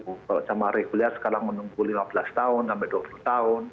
kalau jemaah reguler sekarang menunggu lima belas tahun sampai dua puluh tahun